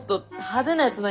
派手なやつ。